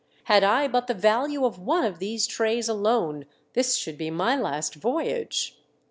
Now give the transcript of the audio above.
" Had I but the value of one of these trays alone this should be my last voyage."